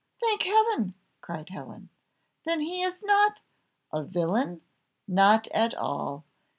"Thank Heaven!" cried Helen, "then he is not " "A villain! not at all.